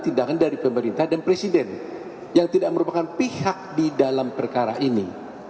tindakan dari pemerintah dan presiden yang tidak merupakan pihak di dalam perkara ini